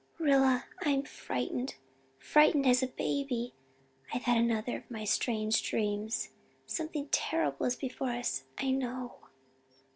"Rilla I'm frightened frightened as a baby I've had another of my strange dreams. Something terrible is before us I know."